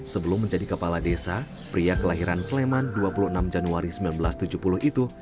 sebelum menjadi kepala desa pria kelahiran sleman dua puluh enam januari seribu sembilan ratus tujuh puluh itu